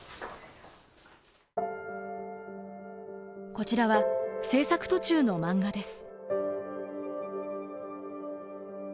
こちらは制作途中のマンガです。